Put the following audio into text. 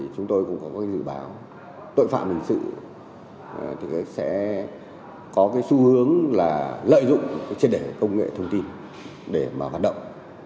chúng tôi cũng có dự báo tội phạm hình sự sẽ có xu hướng lợi dụng trên đề công nghệ thông tin để hoạt động